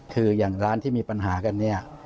คืออย่างร้านที่มีปัญหากันเนี่ย